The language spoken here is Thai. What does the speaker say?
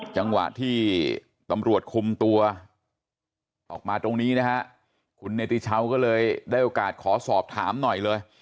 จังหวะที่ตำรวจคุมตัวออกมาตรงนี้นะฮะคุณเนติชาวก็เลยได้โอกาสขอสอบถามหน่อยเลย